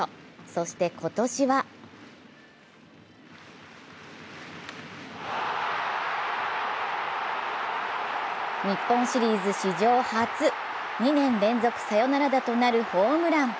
そして今年は日本シリーズ史上初、２年連続サヨナラ打となるホームラン。